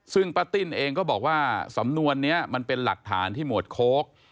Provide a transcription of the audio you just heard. ซึ่งป้าติ้นเองก็บอกว่าสำนวนนี้มันเป็นหลักฐานที่หมวดโค้ก